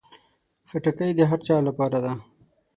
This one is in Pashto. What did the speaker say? خټکی د هر چا لپاره ده.